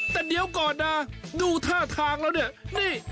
แต่เดี๋ยวก่อนนะดูท่าทางแล้วเนี่ยนี่